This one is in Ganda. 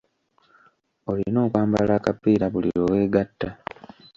Olina okwambala akapiira buli lwe weegatta.